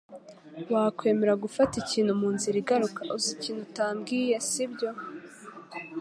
Wakwemera gufata ikintu munzira igaruka? Uzi ikintu utambwiye, sibyo?